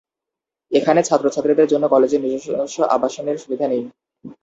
এখানে ছাত্র-ছাত্রীদের জন্য কলেজের নিজস্ব আবাসন এর সুবিধা নেই।